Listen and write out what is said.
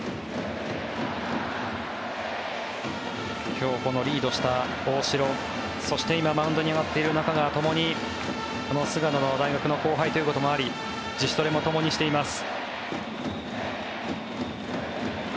今日、リードした大城そして今、マウンドに上がっている中川ともに菅野の大学の後輩ということもあり自主トレもともにしています。